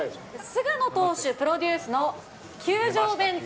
菅野投手プロデュースの球場弁当。